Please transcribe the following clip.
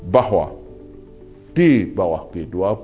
bahwa di bawah b dua puluh